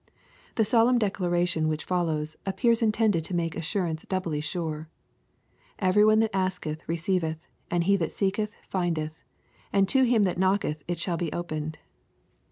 ''— The solemn declaration which follows, appears intended to make assurance doubly sure :" Every one that asketh receiveth, and he that seeketh findeth, and to him that knocketh it shall be opened."